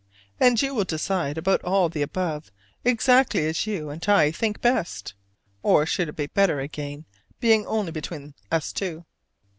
And you will decide about all the above exactly as you and I think best (or should it be "better" again, being only between us two?).